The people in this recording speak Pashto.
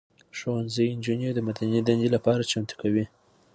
ښوونځي نجونې د مدني دندې لپاره چمتو کوي.